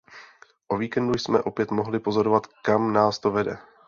O víkendu jsme opět mohli pozorovat, kam nás to vede.